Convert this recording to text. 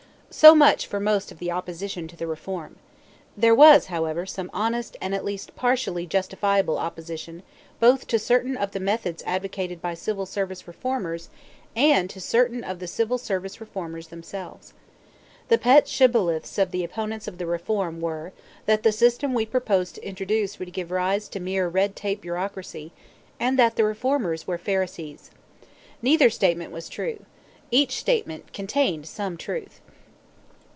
So much for most of the opposition to the reform. There was, however, some honest and at least partially justifiable opposition both to certain of the methods advocated by Civil Service Reformers and to certain of the Civil Service Reformers themselves. The pet shibboleths of the opponents of the reform were that the system we proposed to introduce would give rise to mere red tape bureaucracy, and that the reformers were pharisees. Neither statement was true. Each statement contained some truth.